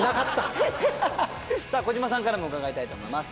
さあ小島さんからも伺いたいと思います。